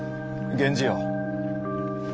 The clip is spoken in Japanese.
源氏よ。